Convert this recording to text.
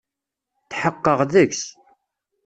Tḥeqqeɣ deg-s.